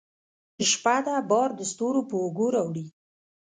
شپه ده بار دستورو په اوږو راوړي